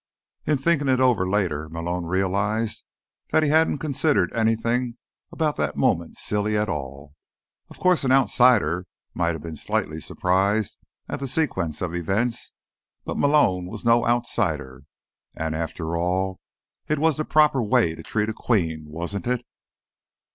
In thinking it over later, Malone realized that he hadn't considered anything about that moment silly at all. Of course, an outsider might have been slightly surprised at the sequence of events, but Malone was no outsider. And, after all, it was the proper way to treat a Queen, wasn't it?